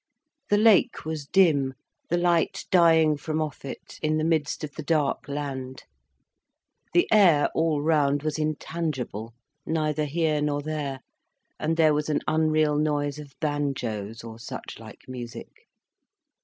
The lake was dim, the light dying from off it, in the midst of the dark land. The air all round was intangible, neither here nor there, and there was an unreal noise of banjoes, or suchlike music.